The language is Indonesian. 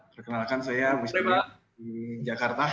perkenalkan saya misalnya di jakarta